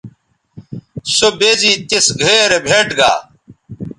سو بے زی تِس گھئے رے بھئیٹ گا